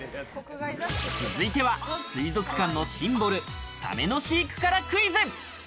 続いては水族館のシンボル、サメの飼育からクイズ。